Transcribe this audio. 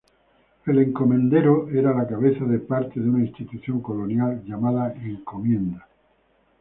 El encomendero era la cabeza de parte de una institución colonial llamada encomienda.